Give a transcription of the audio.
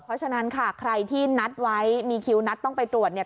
เพราะฉะนั้นค่ะใครที่นัดไว้มีคิวนัดต้องไปตรวจเนี่ย